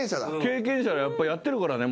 経験者だやっぱやってるからね